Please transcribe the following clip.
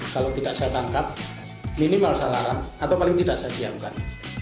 kalau tidak saya tangkap minimal saya larang atau paling tidak saya diamkan